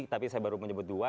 tapi saya baru menyebut dua